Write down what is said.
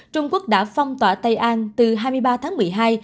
trung quốc đã phong tỏa tây an từ hai mươi ba tháng một mươi hai